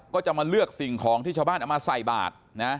ก็จะมาเลือกสิ่งของที่ชาวบ้านเอามาใส่บาทนะ